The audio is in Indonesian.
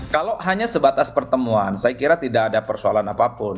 kalau hanya sebatas pertemuan saya kira tidak ada persoalan apapun